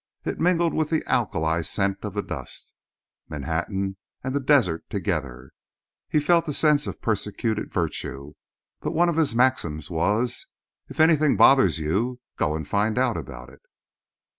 It mingled with the alkali scent of the dust Manhattan and the desert together. He felt a sense of persecuted virtue. But one of his maxims was: "If anything bothers you, go and find out about it."